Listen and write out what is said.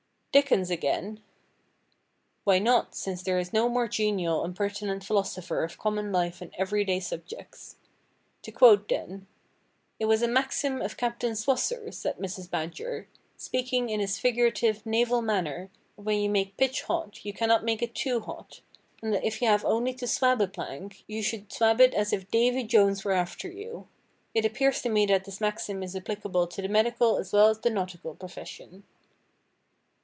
"Dickens again?" Why not, since there is no more genial and pertinent philosopher of common life and every day subjects? To quote, then— "It was a maxim of Captain Swosser's," said Mrs. Badger, "speaking in his figurative, naval manner, that when you make pitch hot, you cannot make it too hot, and that if you have only to swab a plank, you should swab it as if Davy Jones were after you. It appears to me that this maxim is applicable to the medical as well as the nautical profession."